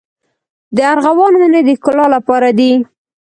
د ارغوان ونې د ښکلا لپاره دي؟